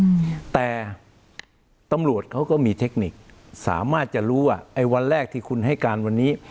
อืมแต่ตำรวจเขาก็มีเทคนิคสามารถจะรู้ว่าไอ้วันแรกที่คุณให้การวันนี้